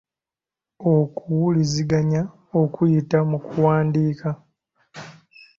Okuwuliziganya okuyita mu kuwandiika.